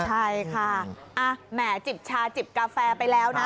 ใช่ค่ะแหม่จิบชาจิบกาแฟไปแล้วนะ